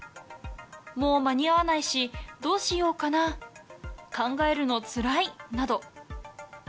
もう間に合わないし、どうしようかな、考えるのつらいなど。